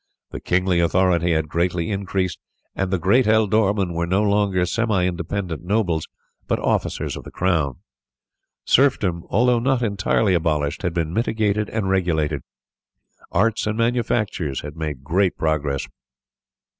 The kingly authority had greatly increased, and the great ealdormen were no longer semi independent nobles, but officers of the crown. Serfdom, although not entirely abolished, had been mitigated and regulated. Arts and manufactures had made great progress.